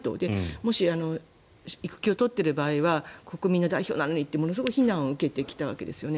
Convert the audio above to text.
もし育休を取っている場合は国民の代表なのにってものすごく非難を受けてきたわけですよね。